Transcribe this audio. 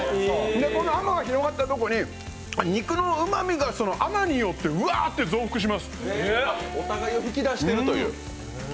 この甘が広がったところに、肉のうまみが甘によってお互いを引き出しているという。